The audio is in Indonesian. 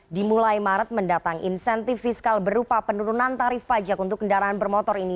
dimulai maret mendatang insentif fiskal berupa penurunan tarif pajak untuk kendaraan bermotor ini